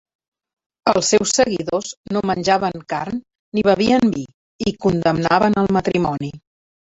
Els seus seguidors no menjaven carn ni bevien vi i condemnaven el matrimoni.